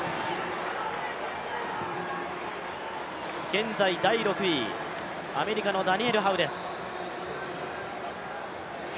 現在第６位、アメリカのダニエル・ハウです。